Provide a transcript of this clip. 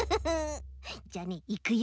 じゃあねいくよ。